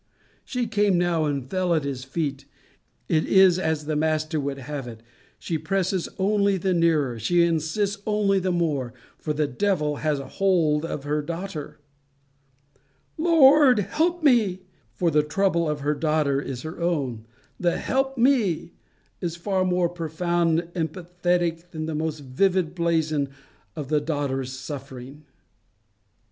She came now and fell at his feet. It is as the Master would have it: she presses only the nearer, she insists only the more; for the devil has a hold of her daughter. "Lord, help me," is her cry; for the trouble of her daughter is her own. The "Help me" is far more profound and pathetic than the most vivid blazon of the daughter's sufferings.